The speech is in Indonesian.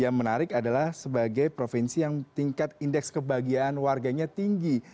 yang menarik adalah sebagai provinsi yang tingkat indeks kebahagiaan warganya tinggi